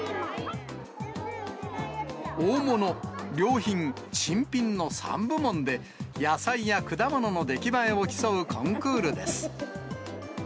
大物、良品、珍品の３部門で、野菜や果物の出来栄えを競うコンクールです。